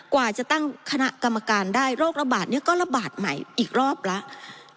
กว่าจะตั้งคณะกรรมการได้โรคระบาดนี้ก็ระบาดใหม่อีกรอบแล้ว